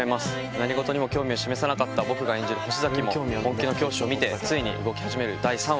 何事にも興味を示さなかった僕が演じる星崎も本気の教師を見てついに動き始める第３話。